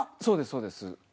そうですそうです。